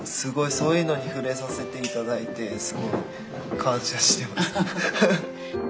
そういうのに触れさせて頂いてすごい感謝してます。